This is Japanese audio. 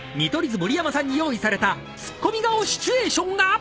図盛山さんに用意されたツッコミ顔シチュエーションが］